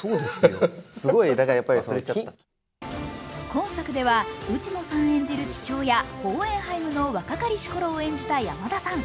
今作では内野さん演じる父親ホーエンハイムの若かりし頃を演じた山田さん。